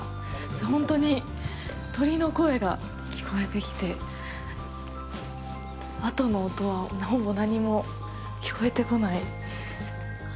本当に鳥の声が聞こえてきてあとの音は、ほぼ何も聞こえてこない。